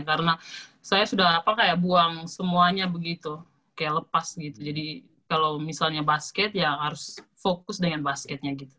karena saya sudah apa kayak buang semuanya begitu kayak lepas gitu jadi kalau misalnya basket ya harus fokus dengan basketnya gitu